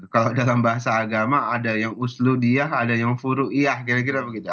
kalau dalam bahasa agama ada yang usludiah ada yang furuyah kira kira begitu